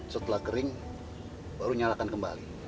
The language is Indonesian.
setelah kering baru nyalakan kembali